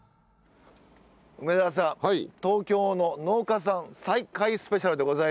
梅沢さん「東京の農家さん再会スペシャル」でございます。